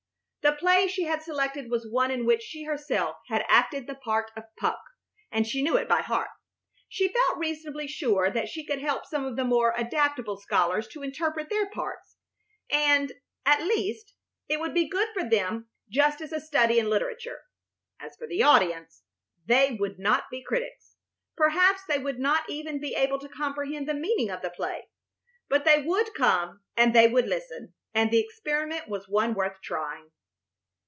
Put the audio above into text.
The play she had selected was one in which she herself had acted the part of Puck, and she knew it by heart. She felt reasonably sure that she could help some of the more adaptable scholars to interpret their parts, and, at least, it would be good for them just as a study in literature. As for the audience, they would not be critics. Perhaps they would not even be able to comprehend the meaning of the play, but they would come and they would listen, and the experiment was one worth trying.